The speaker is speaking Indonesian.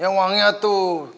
yang wangi itu